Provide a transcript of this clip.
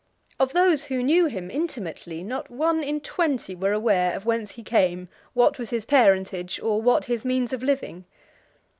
Of those who knew him intimately, not one in twenty were aware from whence he came, what was his parentage, or what his means of living.